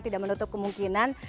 tidak menutup kemungkinan